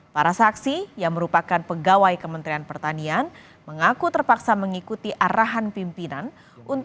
para saksi yang merupakan pegawai kementerian pertanian mengaku terpaksa mengikuti arahan pimpinan